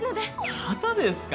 またですか？